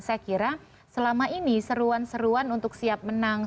saya kira selama ini seruan seruan untuk siap menang